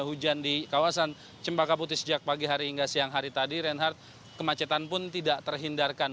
hujan di kawasan cempaka putih sejak pagi hari hingga siang hari tadi reinhardt kemacetan pun tidak terhindarkan